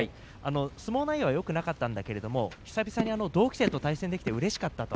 相撲内容はよくなかったんだけれど久々に同期生と対戦できてよかった。